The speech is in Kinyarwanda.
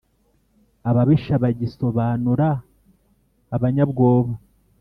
ababisha bagisobanura abanyabwoba.